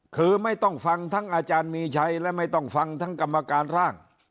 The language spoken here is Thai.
คือไม่ต้องฟังทั้งอาจารย์มีชัยและไม่ต้องฟังทั้งกรรมการร่าง